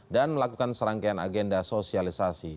dan melakukan serangkaian agenda sosialisasi